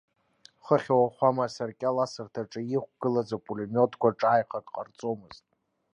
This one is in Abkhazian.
Хыхь ауахәама асаркьалсырҭаҿы иқәгылаз апулемиотқәа ҿааихак ҟарҵомызт.